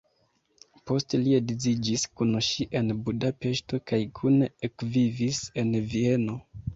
Poste li edziĝis kun ŝi en Budapeŝto kaj kune ekvivis en Vieno.